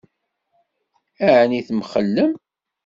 Ɛni temxellem?